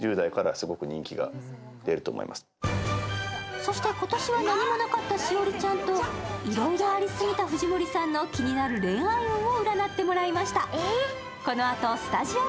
そして今年は何もなかった栞里ちゃんといろいろあり過ぎた藤森さんの気になる恋愛運を占っていただきました。